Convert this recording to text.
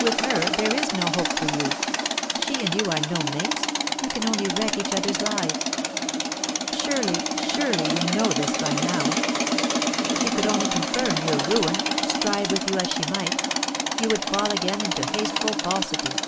With her, there is no hope for you. She and you are no mates; you can only wreck each other's lives. Surely, surely you know this by now! She could only confirm your ruin, strive with you as she might; you would fall again into hateful falsity.